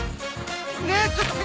ねえちょっと！